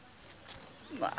まあ。